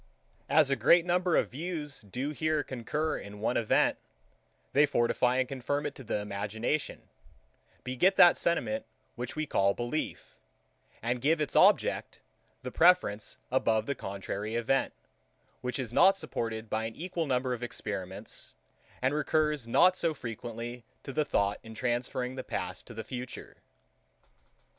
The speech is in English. As a great number of views do here concur in one event, they fortify and confirm it to the imagination, beget that sentiment which we call belief, and give its object the preference above the contrary event, which is not supported by an equal number of experiments, and recurs not so frequently to the thought in transferring the past to the future.